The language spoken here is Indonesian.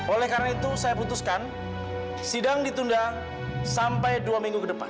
oleh karena itu saya putuskan sidang ditunda sampai dua minggu ke depan